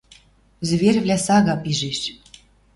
Зверьвлӓ сага пижеш.